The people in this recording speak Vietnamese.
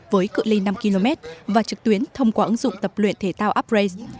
với cự li năm km và trực tuyến thông qua ứng dụng tập luyện thể tạo upraise